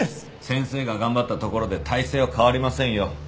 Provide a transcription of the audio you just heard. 先生が頑張ったところで大勢は変わりませんよ。